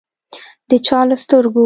د چا له سترګو